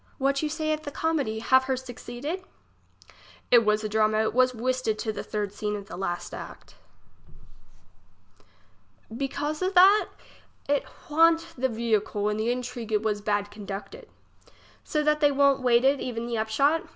What you say of the comedy ? Have her suc ceded ? It was a drama ; it was whistted to the third scene of the last act. 40 English as she is spoke. Because that ? It whant the vehicle, and the intrigue it was bad conducted. So that they won't waited even the upshot